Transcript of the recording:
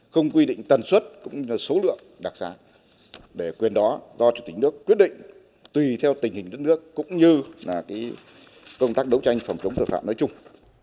không quy định tần suất cũng như số lượng đặc sản để quyền đó do chủ tịch nước quyết định tùy theo tình hình đất nước cũng như là công tác đấu tranh phòng chống tội phạm nói chung